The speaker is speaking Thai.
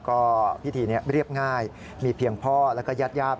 ก็พิธีนี้เรียบง่ายมีเพียงพ่อแล้วก็ญาติญาติ